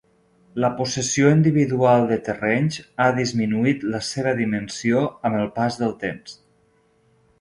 La possessió individual de terrenys ha disminuït la seva dimensió amb el pas del temps.